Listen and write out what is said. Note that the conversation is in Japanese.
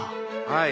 はい。